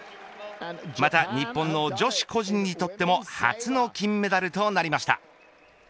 また、日本の女子個人にとっても初の金メダルとなりました。